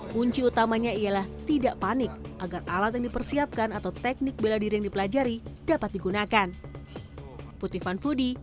kunci utamanya ialah tidak panik agar alat yang dipersiapkan atau teknik bela diri yang dipelajari dapat digunakan